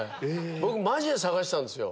僕マジで探してたんですよ